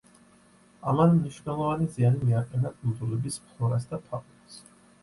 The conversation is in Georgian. ამან მნიშვნელოვანი ზიანი მიაყენა კუნძულების ფლორას და ფაუნას.